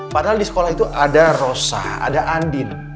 padahal di sekolah itu ada rosa ada andin